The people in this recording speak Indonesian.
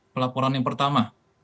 pelaporan yang pertama